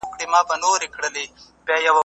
سم نیت پرمختګ نه ځنډوي.